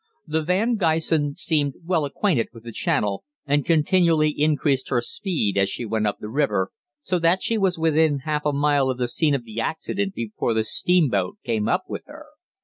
"The 'Van Gysen' seemed well acquainted with the channel, and continually increased her speed as she went up the river, so that she was within half a mile of the scene of the accident before the steamboat came up with her.